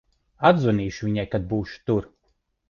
Atzvanīšu viņai, kad būšu tur.